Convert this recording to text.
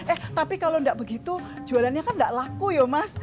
eh tapi kalau nggak begitu jualannya kan tidak laku ya mas